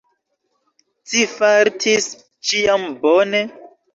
Ci fartis ĉiam bone?